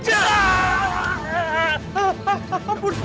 ampun ampun haris